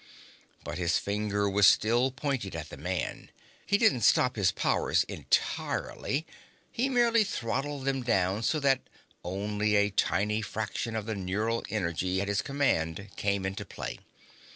But his finger was still pointed at the man. He didn't stop his powers entirely; he merely throttled them down so that only a tiny fraction of the neural energy at his command came into play.